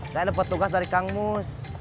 saya dapat tugas dari kang mus